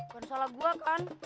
kan salah gue kan